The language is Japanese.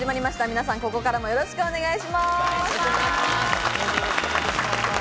皆さん、午後からもよろしくお願いします。